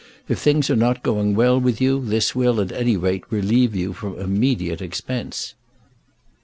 If things are not going well with you, this will, at any rate, relieve you from immediate expense."